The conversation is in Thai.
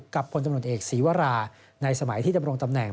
พลตำรวจเอกศีวราในสมัยที่ดำรงตำแหน่ง